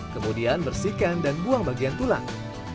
kemudian bersihkan dan buang bagian tulang